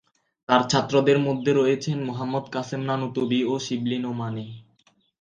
তার ছাত্রদের মধ্যে রয়েছেন: মুহাম্মদ কাসেম নানুতুবি ও শিবলী নোমানী।